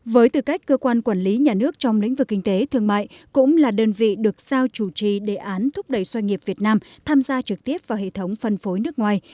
với tư cách cơ quan quản lý nhà nước trong lĩnh vực kinh tế thương mại cũng là đơn vị được sao chủ trì đề án thúc đẩy doanh nghiệp việt nam tham gia trực tiếp vào hệ thống phân phối nước ngoài